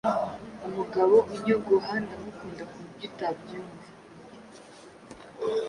Umugabo unyogoha ndamukunda kuburyo utabyumva